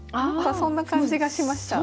そんな感じがしました。